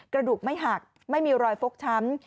กระดูกไม่หักไม่มีรอยฟกช้ำ